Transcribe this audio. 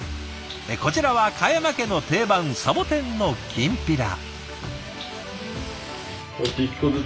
こちらは嘉山家の定番サボテンのきんぴら。